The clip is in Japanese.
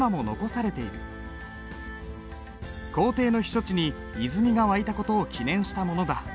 皇帝の避暑地に泉が湧いた事を記念したものだ。